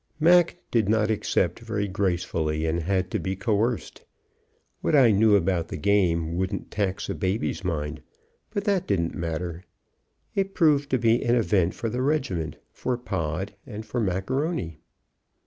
Mac did not accept very gracefully, and had to be coerced. What I knew about the game wouldn't tax a baby's mind, but that didn't matter. It proved to be an event for the regiment, for Pod, and for Macaroni.